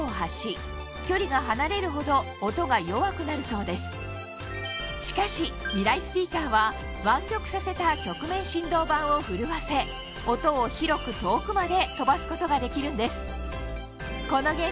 つまりしかしミライスピーカーは湾曲させた曲面振動板を震わせ音を広く遠くまで飛ばすことができるんです